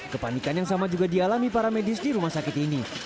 kepanikan yang sama juga dialami para medis di rumah sakit ini